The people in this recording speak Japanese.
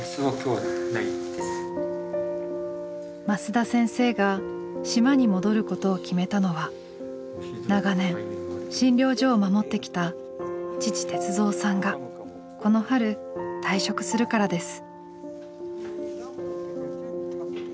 升田先生が島に戻ることを決めたのは長年診療所を守ってきた父鉄三さんがこの春退職するからです。